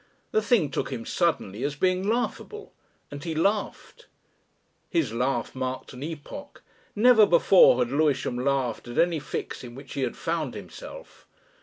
The thing took him suddenly as being laughable; and he laughed. His laugh marked an epoch. Never before had Lewisham laughed at any fix in which he had found himself!